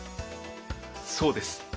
そうです。